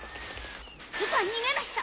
ルパン逃げました！